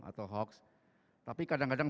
atau hoax tapi kadang kadang